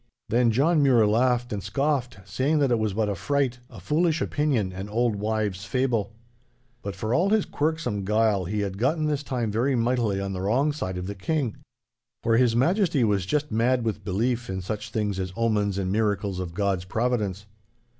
Then John Mure laughed and scoffed, saying that it was but a freit, a foolish opinion, an old wives' fable. But for all his quirksome guile he had gotten this time very mightily on the wrong side of the King. For His Majesty was just mad with belief in such things as omens and miracles of God's providence.